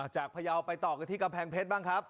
พยาวไปต่อกันที่กำแพงเพชรบ้างครับ